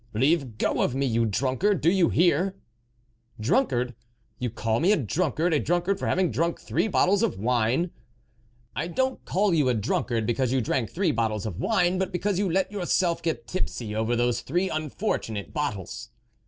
" Leave go of me, you drunkard, do you hear !"" Drunkard ! you call me a drunkard, a drunkard for having drunk three bottles of wine !"" I don't call you a drunkard because 6o THE WOLF LEADER you drank three bottles of wine, but because you let yourself get tipsy over those three unfortunate bottles."